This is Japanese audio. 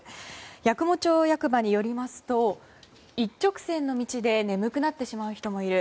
八雲町役場によりますと一直線の道で眠くなってしまう人もいる。